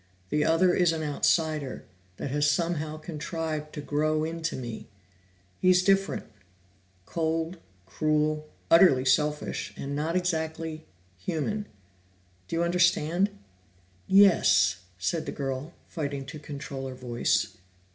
"The other is an outsider, that has somehow contrived to grow into me. He is different; cold, cruel, utterly selfish, and not exactly human. Do you understand?" "Y Yes," said the girl, fighting to control her voice.